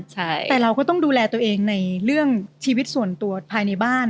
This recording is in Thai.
แต่เราก็ต้องดูแลตัวเองในเรื่องชีวิตส่วนตัวภายในบ้าน